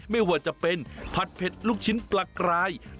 ไม่ว่าจะเป็นผัดเผ็ดลูกชิ้นปลากราย